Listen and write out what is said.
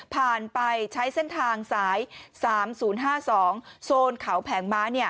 ไปใช้เส้นทางสาย๓๐๕๒โซนเขาแผงม้า